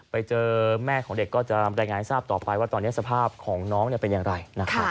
ไปเจอแม่ของเด็กก็จะรายงานให้ทราบต่อไปว่าตอนนี้สภาพของน้องเป็นอย่างไร